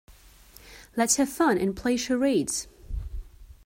Let's have fun and play charades.